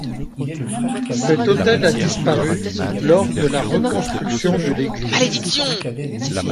Cet autel a disparu lors de la reconstruction de l'église.